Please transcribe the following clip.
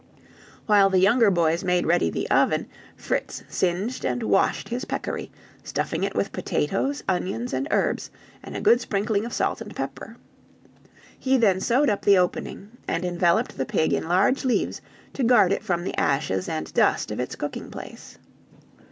While the younger boys made ready the oven, Fritz singed and washed his peccary, stuffing it with potatoes, onions, and herbs, and a good sprinkling of salt and pepper. He then sewed up the opening, and enveloped the pig in large leaves to guard it from the ashes and dust of its cooking place.